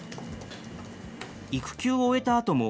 育休を終えたあとも、